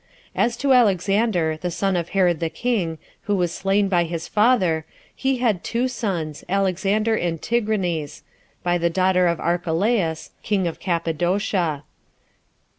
As to Alexander, the son of Herod the king, who was slain by his father, he had two sons, Alexander and Tigranes, by the daughter of Archelaus, king of Cappadocia.